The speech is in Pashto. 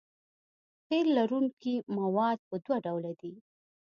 قیر لرونکي مواد په دوه ډوله دي